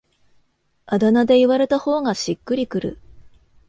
あだ名で言われた方がしっくりくる